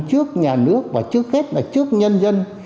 trước nhà nước và trước hết là trước nhân dân